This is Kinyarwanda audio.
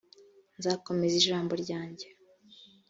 nzakomeza ijambo ryanjye.